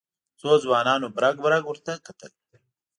څو ځوانانو برګ برګ ورته کتل.